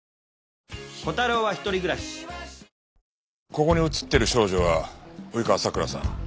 ここに写ってる少女は及川さくらさん